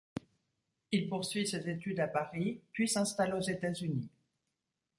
Il poursuit ses études à Paris, puis s'installe aux États-Unis.